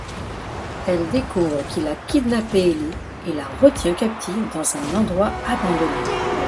Elle découvre qu'il a kidnappé Ellie et la retient captive dans un endroit abandonné.